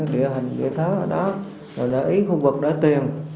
địa hình địa pháp ở đó để ý khu vực để tiền